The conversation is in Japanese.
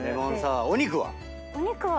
お肉は？